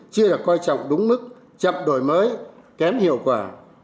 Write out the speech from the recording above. chưa được coi trọng đúng mức chậm đổi mới kém hiệu quả